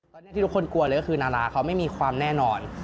ตอนนี้ที่ทุกคนกลัวเลยก็คือนาราเขาไม่มีความแน่นอน